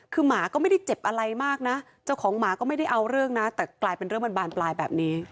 คือหมาก็ไม่ได้เจ็บอะไรมากนะเจ้าของหมาก็ไม่ได้เอาเรื่องนะแต่กลายเป็นเรื่องมันบานปลายแบบนี้